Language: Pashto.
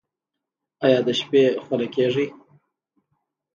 ایا د شپې خوله کیږئ؟